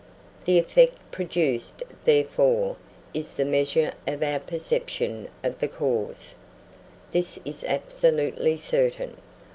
The effect produced therefore is the measure of our perception of the cause. This is absolutely certain.